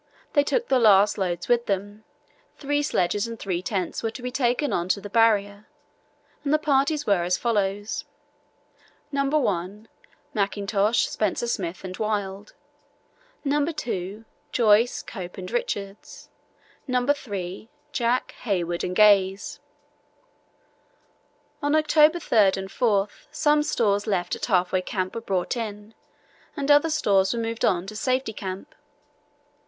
They took the last loads with them. Three sledges and three tents were to be taken on to the Barrier, and the parties were as follows: No. 1: Mackintosh, Spencer Smith, and Wild; No. 2: Joyce, Cope, and Richards; No. 3: Jack, Hayward, and Gaze. On October 3 and 4 some stores left at Half Way Camp were brought in, and other stores were moved on to Safety Camp.